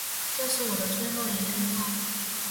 这是我的最后一句话